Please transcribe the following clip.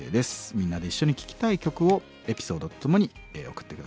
みんなで一緒に聴きたい曲をエピソードと共に送って下さい。